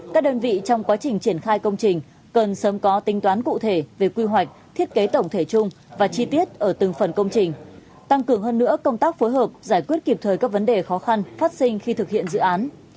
các đơn vị trong quá trình triển khai công trình cần sớm có tính toán cụ thể về quy hoạch thiết kế tổng thể chung và chi tiết ở từng phần công trình tăng cường hơn nữa công tác phối hợp giải quyết kịp thời các vấn đề khó khăn phát sinh khi thực hiện dự án